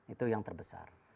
itu yang terbesar